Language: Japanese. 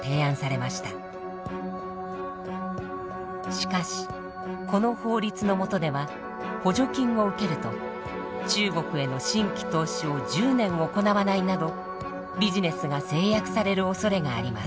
しかしこの法律のもとでは補助金を受けると中国への新規投資を１０年行わないなどビジネスが制約されるおそれがあります。